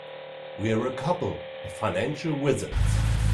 We're a couple of financial wizards.